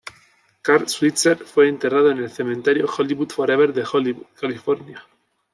Carl Switzer fue enterrado en el Cementerio Hollywood Forever de Hollywood, California.